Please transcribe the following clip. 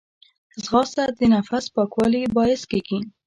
ځغاسته د نفس پاکوالي باعث کېږي